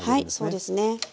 はいそうですね。